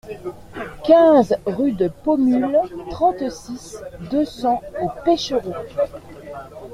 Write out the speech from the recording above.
quinze rue de Paumule, trente-six, deux cents au Pêchereau